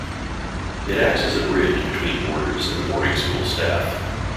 It acts as a bridge between boarders and the boarding school staff.